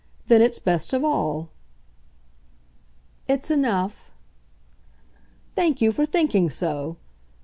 "Then it's best of all." "It's enough." "Thank you for thinking so!"